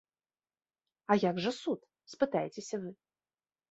А як жа суд, спытаецеся вы?